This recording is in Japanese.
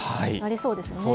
そうですね。